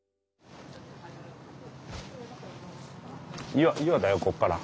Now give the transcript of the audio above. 岩岩だよここから。